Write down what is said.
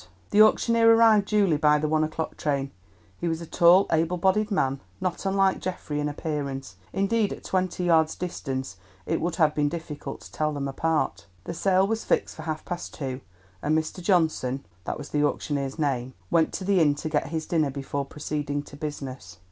The auctioneer arrived duly by the one o'clock train. He was a tall able bodied man, not unlike Geoffrey in appearance, indeed at twenty yards distance it would have been difficult to tell them apart. The sale was fixed for half past two, and Mr. Johnson—that was the auctioneer's name—went to the inn to get his dinner before proceeding to business.